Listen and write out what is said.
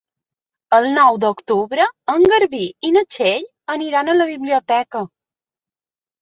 El nou d'octubre en Garbí i na Txell aniran a la biblioteca.